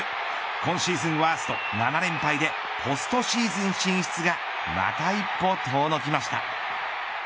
今シーズンワースト７連敗でポストシーズン進出がまた一歩、遠のきました。